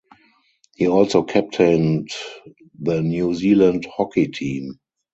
He also captained the New Zealand hockey team.